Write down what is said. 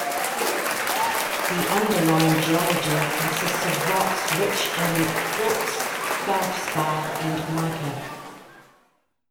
The underlying geology consists of rocks rich in quartz, feldspar, and mica.